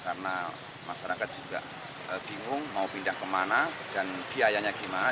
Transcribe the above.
karena masyarakat juga bingung mau pindah kemana dan biayanya gimana